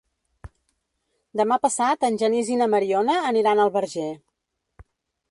Demà passat en Genís i na Mariona aniran al Verger.